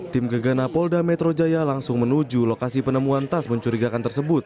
tim gegana polda metro jaya langsung menuju lokasi penemuan tas mencurigakan tersebut